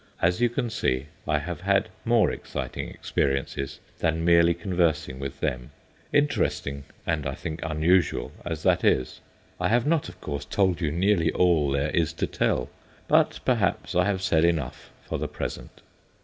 As you can see, I have had more exciting experiences than merely conversing with them interesting, and, I think, unusual as that is. I have not, of course, told you nearly all there is to tell, but perhaps I have said enough for the present.